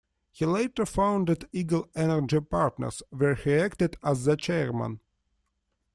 He later founded Eagle Energy Partners where he acted as the chairman.